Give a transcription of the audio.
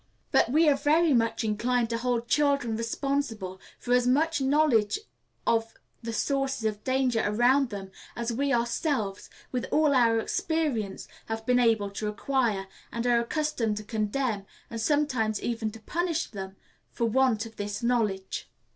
But we are very much inclined to hold children responsible for as much knowledge of the sources of danger around them as we ourselves, with all our experience, have been able to acquire, and are accustomed to condemn and sometimes even to punish them, for want of this knowledge.